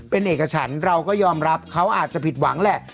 เป็นเอกฉันเราก็ยอมรับเขาอาจจะผิดหวังแหละ